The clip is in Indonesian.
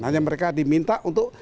hanya mereka diminta untuk